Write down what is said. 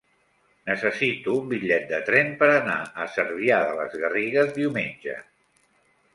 Necessito un bitllet de tren per anar a Cervià de les Garrigues diumenge.